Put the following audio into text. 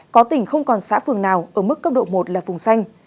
có tỉnh không còn xã phường nào ở mức cấp độ một là vùng xanh